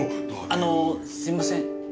あのすみません。